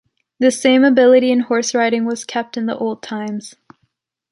This same ability in horse riding was kept in the old times.